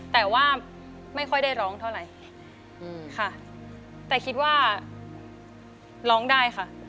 แต่ว่าไม่ค่อยได้ร้องเท่าไหร่ค่ะแต่คิดว่าร้องได้ค่ะ